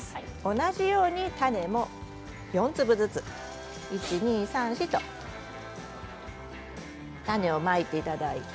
同じように種、４粒ずつ種をまいていただいて。